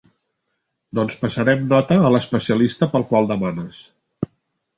Doncs passarem nota a l'especialista pel qual demanes.